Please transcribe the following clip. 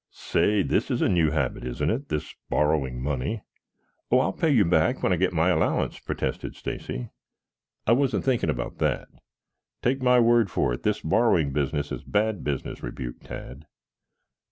"Say, this is a new habit, isn't it, this borrowing money?" "Oh, I'll pay you back when I get my allowance," protested Stacy. "I wasn't thinking about that. Take my word for it, this borrowing business is bad business," rebuked Tad.